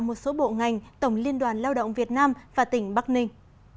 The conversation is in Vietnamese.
một số bộ ngành tổng liên đoàn lao động việt nam và tỉnh bắc ninh